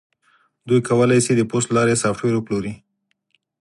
دوی کولی شي د پوست له لارې سافټویر وپلوري